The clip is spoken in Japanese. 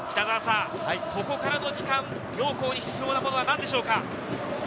ここからの時間、両校に必要なものは何でしょう？